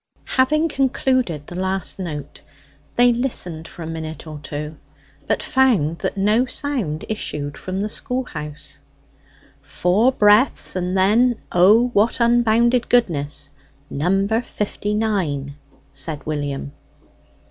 Having concluded the last note, they listened for a minute or two, but found that no sound issued from the schoolhouse. "Four breaths, and then, 'O, what unbounded goodness!' number fifty nine," said William.